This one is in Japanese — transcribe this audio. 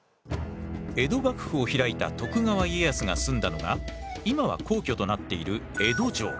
江戸幕府を開いた徳川家康が住んだのが今は皇居となっている江戸城。